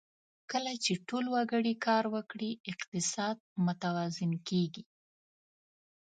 کله چې ټول وګړي کار وکړي، اقتصاد متوازن کېږي.